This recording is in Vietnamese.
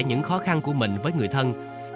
những khó khăn của mình với người thân